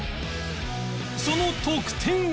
その得点は？